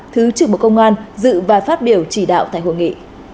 thứ trưởng bộ công an dự và phát biểu chỉ đạo tại hội nghị